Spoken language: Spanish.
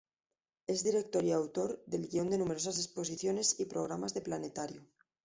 Es director y autor del guion de numerosas exposiciones y programas de planetario.